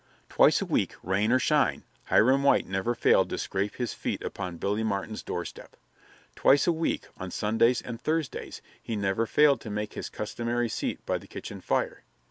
Twice a week, rain or shine, Hiram White never failed to scrape his feet upon Billy Martin's doorstep. Twice a week, on Sundays and Thursdays, he never failed to take his customary seat by the kitchen fire.